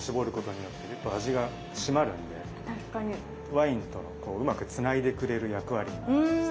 ワインとのこううまくつないでくれる役割もあります。